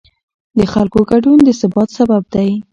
د خلکو ګډون د ثبات سبب دی